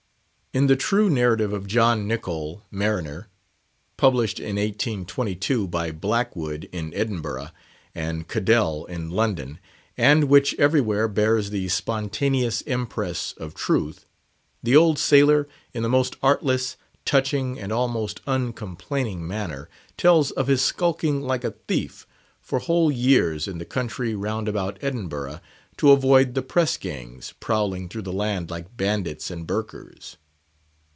In the true narrative of "John Nichol, Mariner," published in 1822 by Blackwood in Edinburgh, and Cadell in London, and which everywhere bears the spontaneous impress of truth, the old sailor, in the most artless, touching, and almost uncomplaining manner, tells of his "skulking like a thief" for whole years in the country round about Edinburgh, to avoid the press gangs, prowling through the land like bandits and Burkers.